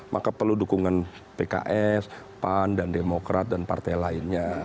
maka perlu dukungan pks pan dan demokrat dan partai lainnya